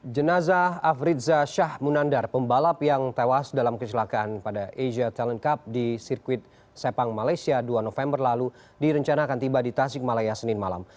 jenazah afriza shah munandar pembalap yang tewas dalam kecelakaan pada asia talent cup di sirkuit sepang malaysia dua november lalu direncanakan tiba di tasik malaya senin malam